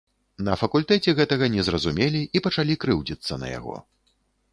На факультэце гэтага не зразумелі і пачалі крыўдзіцца на яго.